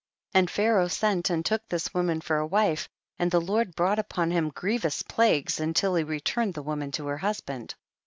21. And Pharaoh sent and took this woman for a wife, and the Lord brought upon him grievous plagues until he returned the woman to her husband.